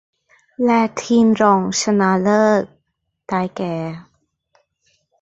และทีมรองชนะเลิศได้แก่